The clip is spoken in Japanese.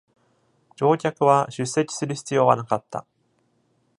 乗客は出席する必要はなかった。